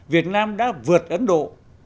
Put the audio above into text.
việt nam đã vượt ấn độ